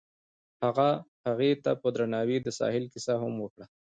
هغه هغې ته په درناوي د ساحل کیسه هم وکړه.